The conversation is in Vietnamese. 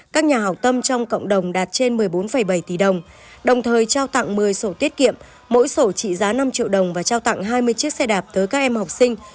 các nhà học tâm trong cộng đồng đạt trên một mươi bốn bảy tỷ đồng đồng thời trao tặng một mươi sổ tiết kiệm mỗi sổ trị giá năm triệu đồng và trao tặng hai mươi chiếc xe đạp tới các em học sinh